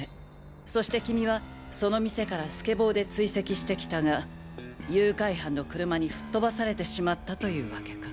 そして君はその店からスケボーで追跡してきたが誘拐犯の車に吹っ飛ばされてしまったというワケか。